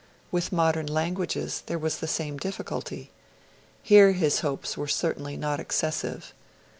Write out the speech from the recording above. With modern languages there was the same difficulty. Here his hopes were certainly not excessive.